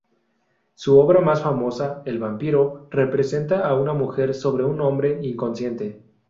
Su obra más famosa, "El Vampiro", representa a una mujer sobre un hombre inconsciente.